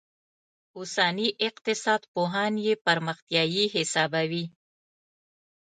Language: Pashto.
اوسني اقتصاد پوهان یې پرمختیايي حسابوي.